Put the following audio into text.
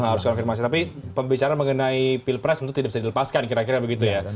harus konfirmasi tapi pembicaraan mengenai pilpres tentu tidak bisa dilepaskan kira kira begitu ya